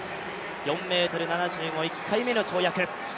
４ｍ７５、１回目の跳躍。